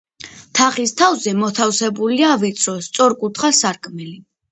თაღის თავზე მოთავსებულია ვიწრო, სწორკუთხა სარკმელი.